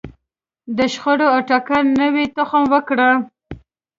د شخړو او ټکر نوی تخم وکره.